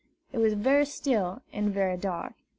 It was very still and very dark.